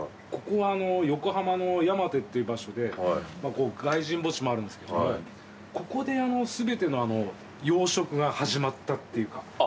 ここは横浜の山手っていう場所で外人墓地もあるんですけどもここで全ての洋食が始まったっていうか。